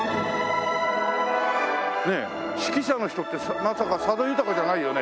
ねえ指揮者の人ってまさか佐渡裕じゃないよね？